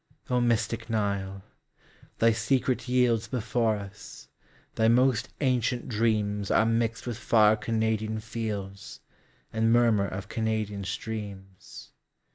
O mystic Nile! Thy secret yieldsBefore us; thy most ancient dreamsAre mixed with far Canadian fieldsAnd murmur of Canadian streams.